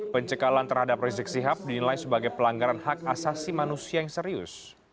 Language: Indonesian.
pencekalan terhadap rizik sihab dinilai sebagai pelanggaran hak asasi manusia yang serius